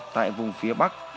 tại vùng phía bắc